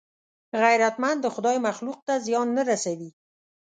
غیرتمند د خدای مخلوق ته زیان نه رسوي